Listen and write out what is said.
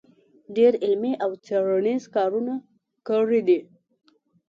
ډېر علمي او څېړنیز کارونه کړي دی